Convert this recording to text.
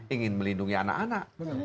ingin melindungi anak anak